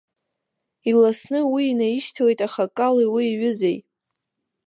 Иласны уи инаишьҭалеит ахаккалеи уи иҩызеи.